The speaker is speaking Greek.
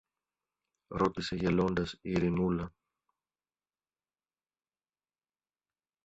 ρώτησε γελώντας η Ειρηνούλα.